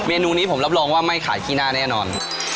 เนนูนี้ผมรับรองว่าไม่ขายขี้หน้าแน่นอน